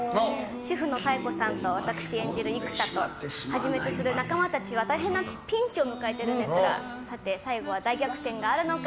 主婦の妙子さんと私・育田をはじめとする仲間たちは大変なピンチを迎えていますが最後は大逆転はあるのか。